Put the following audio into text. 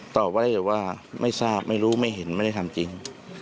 ตอบว่าได้แต่ว่าไม่ทราบไม่รู้ไม่เห็นไม่ได้ทำจริง